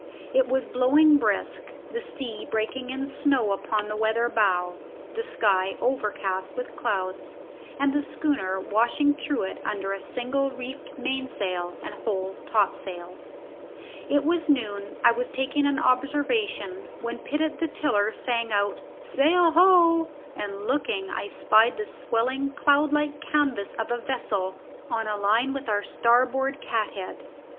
It was blowing brisk, the sea breaking in snow upon the weather bow, the sky overcast with clouds, and the schooner washing through it under a single reefed mainsail and whole topsail. It was noon: I was taking an observation, when Pitt at the tiller sang out "Sail ho!" and looking, I spied the swelling cloud like canvas of a vessel on a line with our starboard cathead.